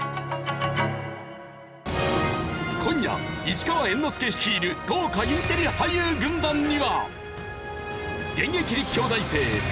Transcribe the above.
今夜市川猿之助率いる豪華インテリ俳優軍団には。